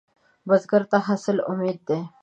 بزګر ته حاصل امید دی